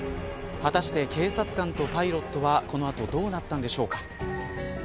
果たして、警察官とパイロットはこの後どうなったんでしょうか。